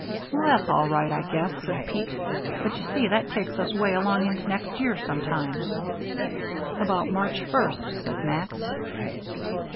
"Well, that's all right, I guess," said Pete, "but you see that takes us way along into next year sometime." "About March first," said Max.